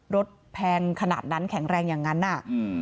แพงขนาดนั้นแข็งแรงอย่างนั้นอ่ะอืม